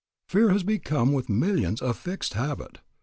Fear has become with millions a fixed habit.